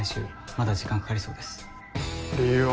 まだ時間かかりそうです理由は？